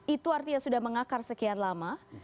itu artinya sudah mengakar sekian lama